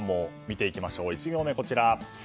見ていきましょう、１行目。